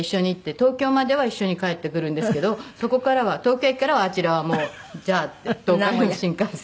東京までは一緒に帰ってくるんですけどそこからは東京駅からはあちらはもうじゃあって東海道新幹線。